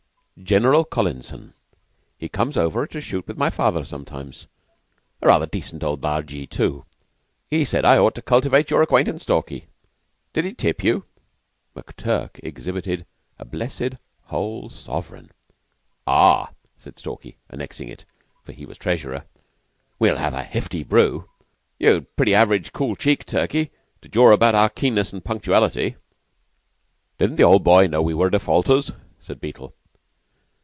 "General Collinson. He comes over to shoot with my father sometimes. Rather a decent old bargee, too. He said I ought to cultivate your acquaintance, Stalky." "Did he tip you?" McTurk exhibited a blessed whole sovereign. "Ah," said Stalky, annexing it, for he was treasurer. "We'll have a hefty brew. You'd pretty average cool cheek, Turkey, to jaw about our keenness an' punctuality." "Didn't the old boy know we were defaulters?" said Beetle.